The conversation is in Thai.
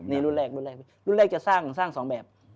นี่รุ่นแรกรุ่นแรกจะสร้างสร้างสองแบบ